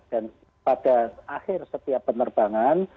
dan pada akhir setiap penerbangan